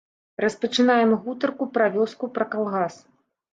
Распачынаем гутарку пра вёску, пра калгас.